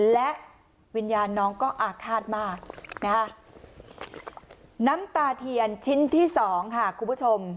และวิญญาณน้องก็อาฆาตมากนะฮะน้ำตาเทียนชิ้นที่สองค่ะคุณผู้ชม